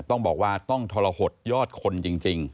ต้องบอกว่าต้องทรหดยอดคนจริง